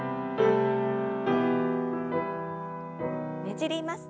ねじります。